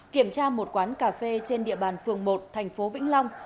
kiểm tra một quán cà phê trên địa bàn phường một tp vĩnh long